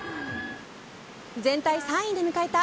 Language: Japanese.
全体３位で迎えた